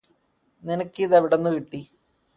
നിനക്കിതെവിടുന്നു കിട്ടി